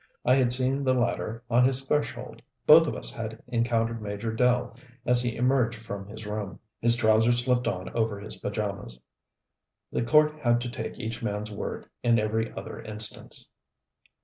I had seen the latter on his threshold: both of us had encountered Major Dell as he emerged from his room, his trousers slipped on over his pajamas. The court had to take each man's word in every other instance.